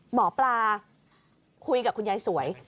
หมอปลาคุยกับคุณยายสวย